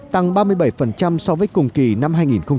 tăng ba mươi bảy so với cùng kỳ năm hai nghìn một mươi tám